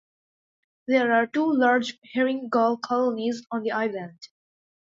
There are two large herring gull colonies on the island.